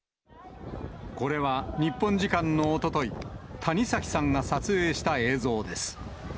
これは日本時間のおととい、谷崎さんが撮影した映像です。